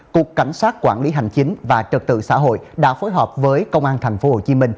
cục cảnh sát quản lý hành chính và trật tự xã hội đã phối hợp với công an tp hcm